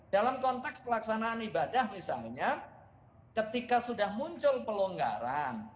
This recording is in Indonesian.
dalam konteks pelaksanaan ibadah misalnya ketika sudah muncul pelonggaran